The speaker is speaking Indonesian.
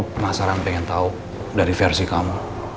om penasaran pengen tau dari versi kamu